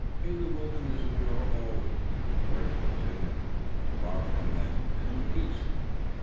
May the wilderness endure always that the birds can sing in it, far from men, and in peace!"